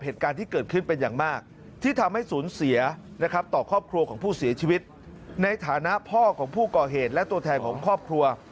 ที่ฟ้าพ่อของผู้ก่อเหตุและตัวแทนของคอบครัว